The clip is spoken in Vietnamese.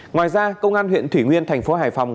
ngoài ra công an huyện thủy nguyên tp hải phòng